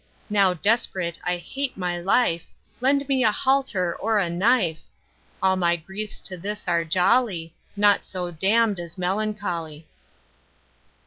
Now desperate I hate my life, Lend me a halter or a knife; All my griefs to this are jolly, Naught so damn'd as melancholy.